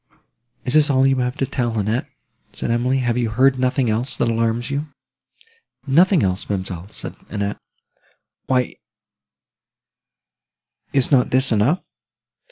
"Is this all you have to tell, Annette?" said Emily. "Have you heard nothing else, that alarms you?" "Nothing else, ma'amselle!" said Annette; "why, is not this enough?"